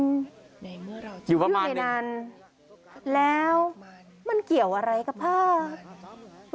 อยู่ในนั้นแล้วมันเกี่ยวอะไรกับภาพ